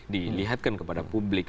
dilihatkan kepada publik